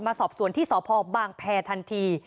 สอบสวนที่สพบางแพรทันที